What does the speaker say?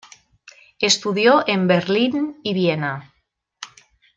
Estudió en Berlín y Viena.